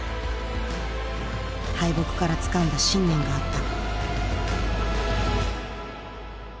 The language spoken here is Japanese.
敗北からつかんだ信念があった。